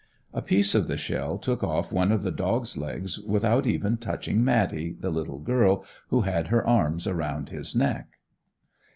A piece of the shell took off one of the dog's legs without even touching Mattie, the little girl who had her arms around his neck.